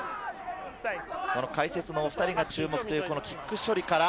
解説のお２人が注目というキック処理から。